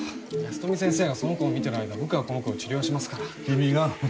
先生がその子を診る間僕がこの子を治療します君が？